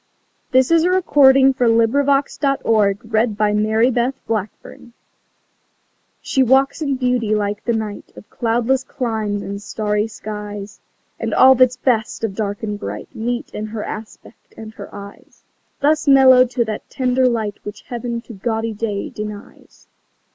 M N . O P . Q R . S T . U V . W X . Y Z She Walks in Beauty SHE walks in beauty like the night Of cloudless climes and starry skies, And all that's best of dark and bright Meet in her aspect and her eyes; Thus mellowed to the tender light Which heaven to gaudy day denies.